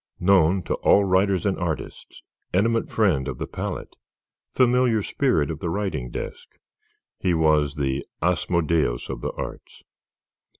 Known to all writers and artists, intimate friend of the palette, familiar spirit of the writing desk, he was the Asmodeus of the arts.